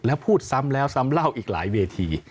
แล้วพูดซ้ำแล้วซ้ำเล่าอีกหลายเวที